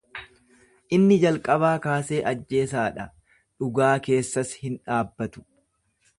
Inni jalqabaa kaasee ajjeesaa dha, dhugaa keessas hin dhaabbatu.